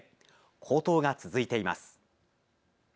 高騰が続いています。